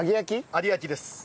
揚げ焼きです。